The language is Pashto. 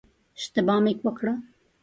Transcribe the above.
اشتباه مې وکړه.